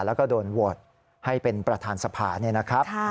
แล้วก็โดนโหวตให้เป็นประธานสภาเนี่ยนะครับ